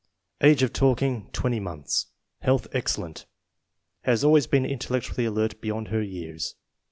Age of talking, 20 months. Health excellent. Has always been intellectually alert beyond her years.